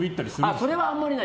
それはあんまりない。